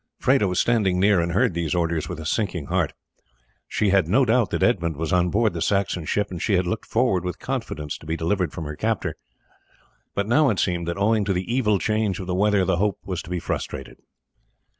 Freda was standing near and heard these orders with a sinking heart. She had no doubt that Edmund was on board the Saxon ship, and she had looked forward with confidence to be delivered from her captor; but now it seemed that owing to the evil change of the weather the hope was to be frustrated.